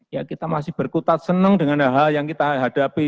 ya kita masih berkutat senang dengan hal hal yang kita hadapi